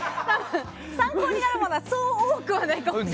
多分、参考になるものはそう多くはないと思う。